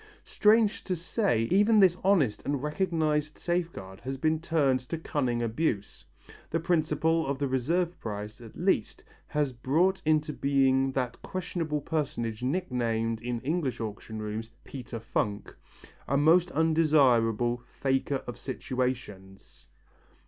Strange to say, even this honest and recognized safeguard has been turned to cunning abuse. The principle of the reserve price, at least, has brought into being that questionable personage nicknamed in English auction rooms Peter Funk, a most undesirable "faker of situations."